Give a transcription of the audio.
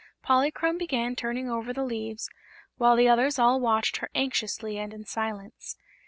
Polychrome began turning over the leaves, while the others all watched her anxiously and in silence.